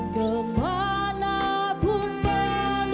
dengan menyebut nama allah